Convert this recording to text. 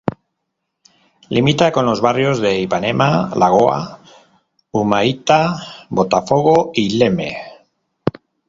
Limita con los barrios de Ipanema, Lagoa, Humaitá, Botafogo y Leme.